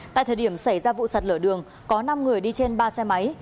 tại thời điểm xảy ra vụ sạt lở đường có năm người đi trên ba xe máy